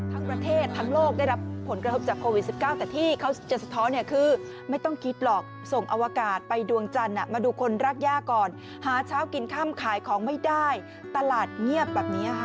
ทั้งประเทศทั้งโลกได้รับผลกระทบจากโควิด๑๙แต่ที่เขาจะสะท้อนเนี่ยคือไม่ต้องคิดหรอกส่งอวกาศไปดวงจันทร์มาดูคนรักย่าก่อนหาเช้ากินค่ำขายของไม่ได้ตลาดเงียบแบบนี้ค่ะ